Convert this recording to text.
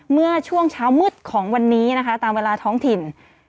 เมื่อช่วงเช้ามืดของวันนี้นะคะตามเวลาท้องถิ่น